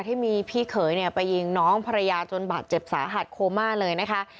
ที่มีพี่เขยเนี่ยไปยิงน้องภรรยาจนบาดเจ็บสาหัสโคม่าเลยนะคะ